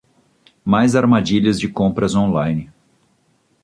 Mais armadilhas de compras online